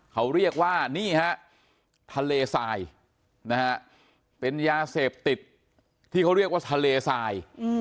เขาเรียกว่านี่ฮะทะเลทรายนะฮะเป็นยาเสพติดที่เขาเรียกว่าทะเลทราย